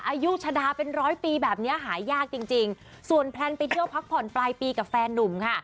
อายุชะดาเป็นร้อยปีแบบเนี้ยหายากจริงจริงส่วนแพลนไปเที่ยวพักผ่อนปลายปีกับแฟนนุ่มค่ะ